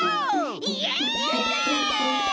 イエイ！